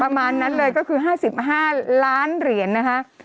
ประมาณนั้นเลยก็คือ๕๕ล้านเหรียญนะคะ